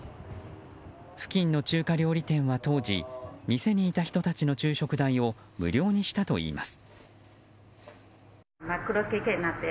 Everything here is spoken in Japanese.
付近の中華料理店は当時店にいた人たちの昼食代を無料にしたといいます。